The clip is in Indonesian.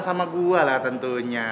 jadi gue ikutan juga